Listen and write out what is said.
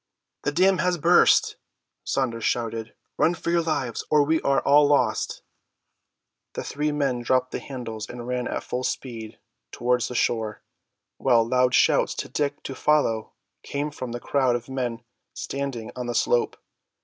"The dam has burst!" Saunders shouted. "Run for your lives, or we are all lost!" The three men dropped the handles and ran at full speed towards the shore, while loud shouts to Dick to follow came from the crowd of men standing on the slope.